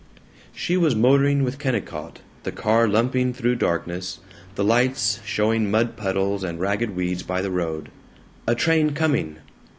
She was motoring with Kennicott, the car lumping through darkness, the lights showing mud puddles and ragged weeds by the road. A train coming!